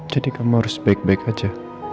jadi kamu harus baik baik aja